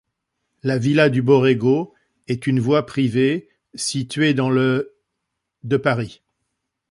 La villa du Borrégo est une voie privée située dans le de Paris.